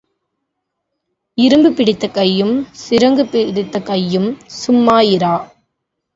இரும்பு பிடித்த கையும் சிரங்கு பிடித்த கையும் சும்மா இரா.